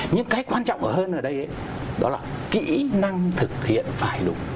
nhưng cái quan trọng hơn ở đây ấy đó là kỹ năng thực hiện phải đúng